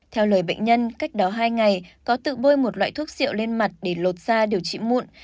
theo lời bệnh nhân cách đó hai ngày có tự bôi một loại thuốc rượu lên mặt để lột da điều trị muộn